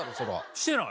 してない？